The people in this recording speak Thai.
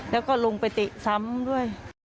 แล้วก็ลงไปเตะซ้ำด้วย